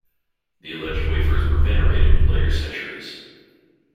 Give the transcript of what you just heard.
The alleged wafers were venerated in later centuries.